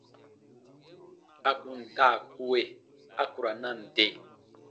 À kun daa kue, a ku ra nande.